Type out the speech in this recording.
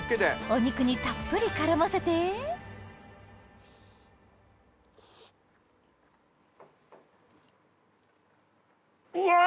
お肉にたっぷり絡ませてうわ！